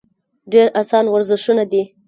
ډېر اسان ورزشونه دي -